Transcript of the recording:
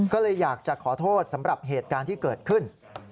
ก็เลยอยากจะขอโทษสำหรับเหตุการณ์ที่เกิดขึ้น